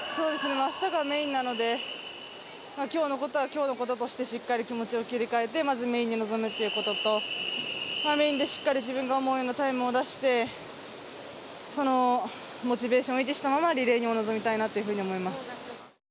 あしたがメインなので今日のことは今日のこととしてしっかり気持ちを切り替えてまずメインに臨むということとメインでしっかり自分が思うようなタイムを出してモチベーションを維持したままリレーにも臨みたいなと思います。